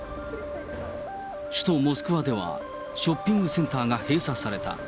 首都モスクワでは、ショッピングセンターが閉鎖された。